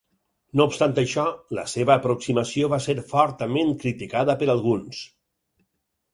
No obstant això, la seva aproximació va ser fortament criticada per alguns.